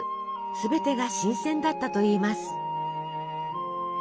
すべてが新鮮だったといいます。